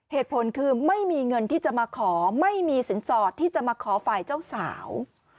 เหตุผลคือไม่มีเงินที่จะมาขอไม่มีสินสอดที่จะมาขอฝ่ายเจ้าสาว